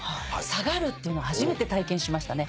下がるっていうのを初めて体験しましたね。